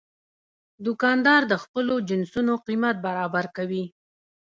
دوکاندار د خپلو جنسونو قیمت برابر کوي.